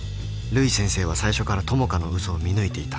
瑠依先生は最初から朋香の嘘を見抜いていた